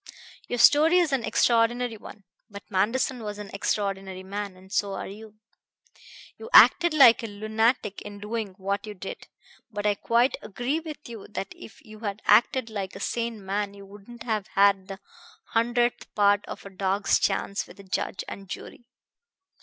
Your story is an extraordinary one; but Manderson was an extraordinary man, and so are you. You acted like a lunatic in doing what you did; but I quite agree with you that if you had acted like a sane man you wouldn't have had the hundredth part of a dog's chance with a judge and jury.